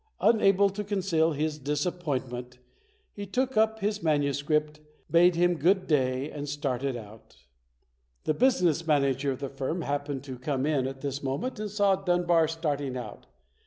Un able to conceal his disappointment, he took up his manuscript, bade him good day and started out. The business manager of the firm happened to come in at this moment and saw Dunbar starting out.